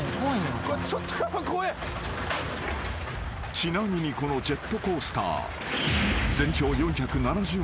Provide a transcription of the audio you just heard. ［ちなみにこのジェットコースター］